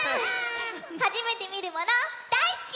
はじめてみるものだいすき！